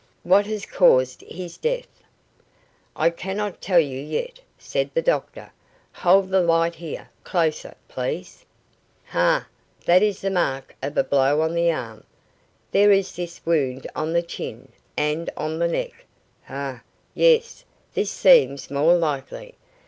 "What has caused his death?" "I cannot tell you yet," said the doctor. "Hold the light here, closer, please. Hah, that is the mark of a blow on the arm. There is this wound on the chin, and on the neck. Hah! Yes, this seems more likely.